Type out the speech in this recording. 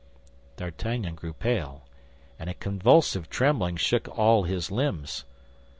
D'Artagnan grew pale, and a convulsive trembling shook all his limbs.